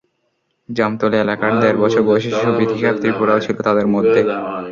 জামতলী এলাকার দেড় বছর বয়সী শিশু বিথিকা ত্রিপুরাও ছিল তাদের মধ্যে।